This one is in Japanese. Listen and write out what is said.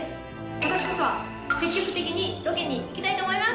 今年こそは積極的にロケに行きたいと思います。